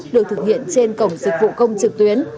được thực hiện trên cổng dịch vụ công trực tuyến